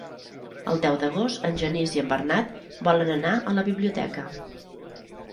El deu d'agost en Genís i en Bernat volen anar a la biblioteca.